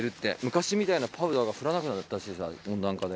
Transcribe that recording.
昔みたいなパウダーが降らなくなったらしいです